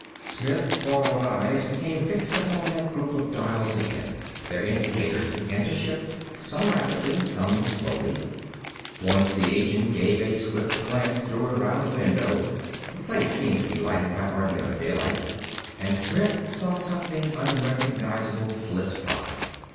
Smith's borrowed eyes became fixed upon that group of dials again. Their indicators began to shift, some rapidly, some slowly. Once the agent gave a swift glance through a round window the place seemed to be lighted by ordinary daylight and Smith saw something unrecognizable flit by.